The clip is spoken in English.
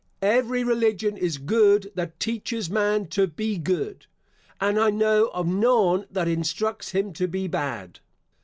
Every religion is good that teaches man to be good; and I know of none that instructs him to be bad.